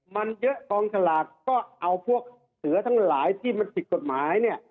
มันเยอะกองสลากก็เอาพวกเสือทั้งหลายที่มันผิดกฎหมายเนี่ย